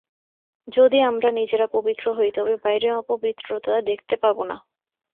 যদি আমরা নিজেরা পবিত্র হই, তবে বাইরে অপবিত্রতা দেখতে পাব না।